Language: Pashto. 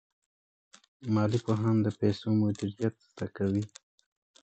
مالي پوهان د پیسو مدیریت زده کوي.